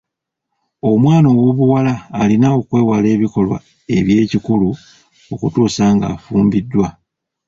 Omwana ow'obuwala alina okwewala ebikolwa eby'ekikulu okutuusa ng'afumbiddwa.